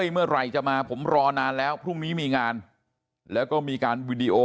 เมื่อไหร่จะมาผมรอนานแล้วพรุ่งนี้มีงานแล้วก็มีการวีดีโอ